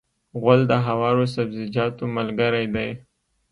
غول د هوارو سبزیجاتو ملګری دی.